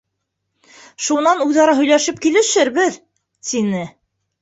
Шунан үҙ-ара һөйләшеп килешербеҙ, — тине.